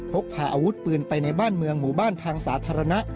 พกพาอาวุธปืนไปในบ้านเมืองหมู่บ้านทางสาธารณะ